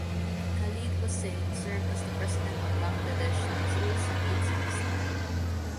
Khalid Hossain served as the president of Bangladesh Nazrul Sangeet Sangstha.